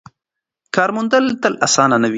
کار موندل تل اسانه نه وي.